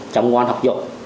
cháu ngoan học dội